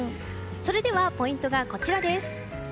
それではポイントがこちらです。